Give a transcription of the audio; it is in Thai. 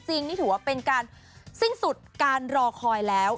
นี่ถือว่าเป็นการสิ้นสุดการรอคอยแล้ว